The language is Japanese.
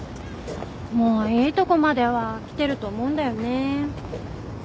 もういいとこまでは来てると思うんだよね。